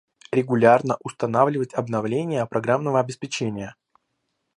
Регулярно устанавливать обновления программного обеспечения